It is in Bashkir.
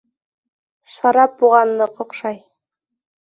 Шарап уға ныҡ оҡшай.